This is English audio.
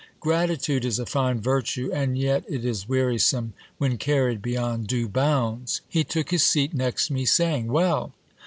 Gratitude is a fine virtue ; and yet it is wearisome when carried beyond due bounds ! He took his seat next me, saying : Well